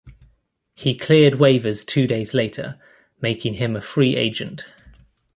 He cleared waivers two days later, making him a free agent.